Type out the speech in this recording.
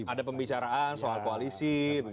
ada pembicaraan soal koalisi